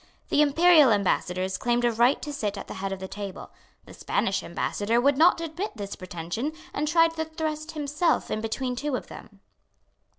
The Imperial Ambassadors claimed a right to sit at the head of the table. The Spanish Ambassador would not admit this pretension, and tried to thrust himself in between two of them.